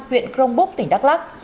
huyện crong búc tỉnh đắk lắc